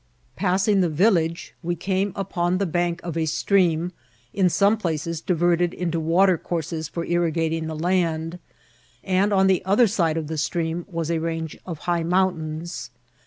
Passing the village, we came upon the bank of a stream, in some places diverted into water courses for irrigating the land ; and on the other side of the stream WBS a range of high mountains.